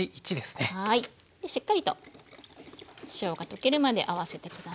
でしっかりと塩が溶けるまで合わせて下さい。